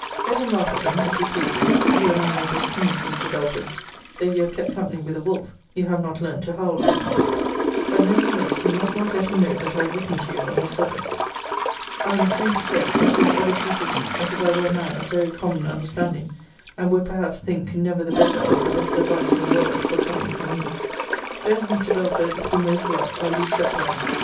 Let him laugh at them, if he pleases: you and I know better things, Mr. Belford Though you have kept company with a wolf, you have not learnt to howl of him. But nevertheless, you must let him know that I have written to you on this subject. I am ashamed to say it; but he has ever treated me as if I were a man of very common understanding; and would, perhaps, think never the better of the best advice in the world for coming from me. Those, Mr. Belford, who most love, are least set by.